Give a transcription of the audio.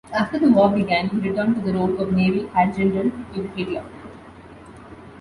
After the war began, he returned to the role of naval adjutant to Hitler.